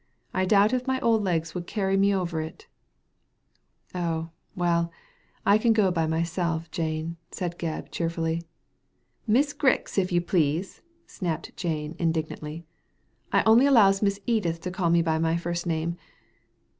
I doubt if my old legs would carry me over it" " Oh, well, I can go by myself, Jane, said Gebb, cheerfully. " Mrs. Grij^ if you please !snapped Jane, indig nantly. " I only allows Miss Edith to call me by my first name.